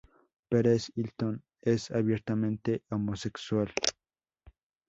Perez Hilton es abiertamente homosexual.